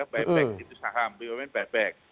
buyback itu saham biar memang buyback